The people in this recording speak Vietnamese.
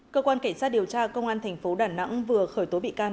cơ quan cảnh sát điều tra công an thành phố đà nẵng vừa khởi tố bị can